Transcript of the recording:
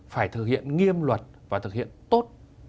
là thực hiện nghiêm luật và thực hiện tốt